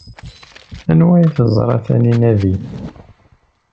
Anwa ay teẓra Taninna din?